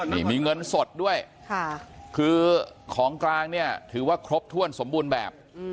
นี่มีเงินสดด้วยคือของกลางเนี่ยถือว่าครบถ้วนสมบูรณ์แบบ